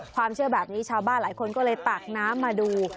ความเชื่อแบบนี้ชาวบ้านหลายคนก็เลยตักน้ำมาดู